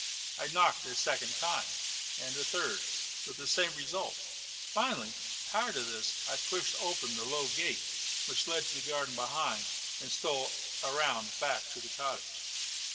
I knocked a second time, and a third, with the same result. Finally, tired of this, I pushed open the low gate which led into the garden behind, and stole round to the back of the cottage.